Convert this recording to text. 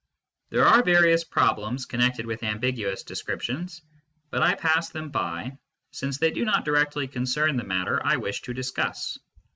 There are various problems connected with ambiguous descriptions, but I pass them by, since they do not directly concern the matter I wish to discuss.